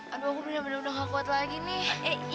aduu aku bener bener ga kuat lagi nih